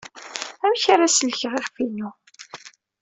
Amek ara sellkeɣ iɣef-inu?